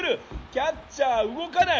キャッチャー動かない！